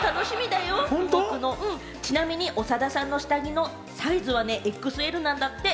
ちなみに長田さんの下着のサイズはＸＬなんだって！